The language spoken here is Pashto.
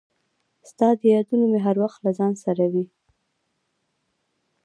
• ستا یادونه مې هر وخت له ځان سره وي.